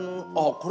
これ。